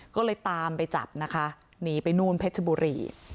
ก็เลยตามไปจับนะคะหนีไปนู่นเพชรบุรี